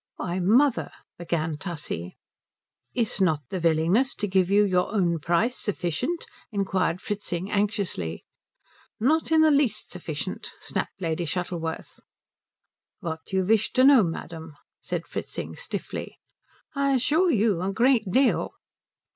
"Why, mother " began Tussie. "Is not the willingness to give you your own price sufficient?" inquired Fritzing anxiously. "Not in the least sufficient," snapped Lady Shuttleworth. "What do you wish to know, madam?" said Fritzing stiffly. "I assure you a great deal."